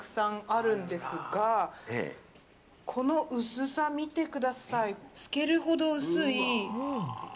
この薄さを見てください。